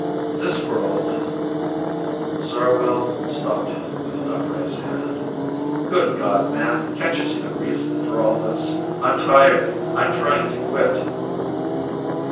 This world ..." Zarwell stopped him with an upraised hand. "Good God, man, can't you see the reason for all this? I'm tired. I'm trying to quit."